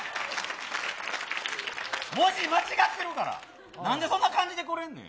文字間違ってるから、なんでそんな感じでこれんねん。